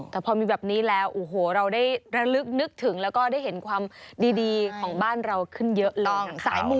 แต่พอมีแบบนี้แล้วโอ้โหเราได้ระลึกนึกถึงแล้วก็ได้เห็นความดีของบ้านเราขึ้นเยอะเลย